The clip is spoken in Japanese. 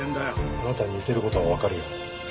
あなたに似てる事はわかるよ。